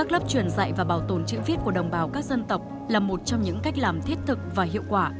là một trong những cách làm thiết thực và hiệu quả